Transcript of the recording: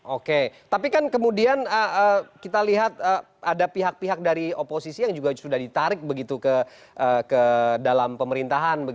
oke tapi kan kemudian kita lihat ada pihak pihak dari oposisi yang juga sudah ditarik begitu ke dalam pemerintahan